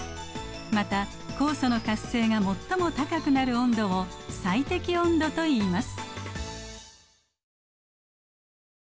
また酵素の活性が最も高くなる温度を最適温度といいます。